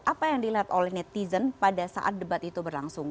apa yang dilihat oleh netizen pada saat debat itu berlangsung